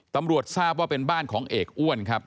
ตำรวจทราบว่าเป็นบ้านของเอกอ้วนครับ